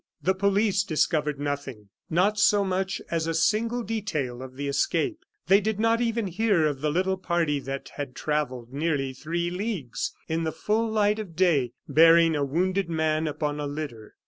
The police discovered nothing, not so much as a single detail of the escape. They did not even hear of the little party that had travelled nearly three leagues in the full light of day, bearing a wounded man upon a litter.